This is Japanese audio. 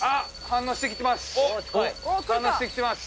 反応してきてます！